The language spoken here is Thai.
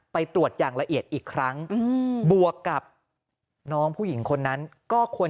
ไปตรวจอย่างละเอียดอีกครั้งบวกกับน้องผู้หญิงคนนั้นก็ควร